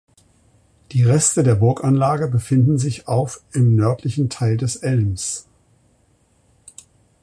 Die Reste der Burganlage befinden sich auf im nördlichen Teil des Elms.